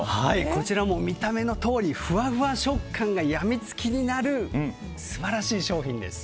こちらも見た目のとおりふわふわ食感がやみつきになる素晴らしい商品です。